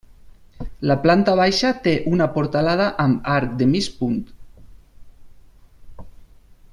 La planta baixa té una portalada amb arc de mig punt.